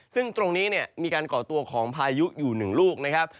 ซึ่งตรงนี้เนี่ยมีการก่อตัวของพายุอยู่๑ลูกนะครับ